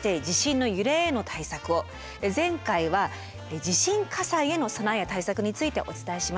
前回は地震火災への備えや対策についてお伝えしました。